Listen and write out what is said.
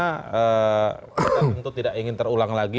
karena kita tentu tidak ingin terulang lagi